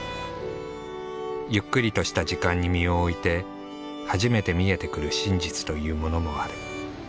ゆっくりとした時間に身を置いて初めて見えてくる真実というものもある。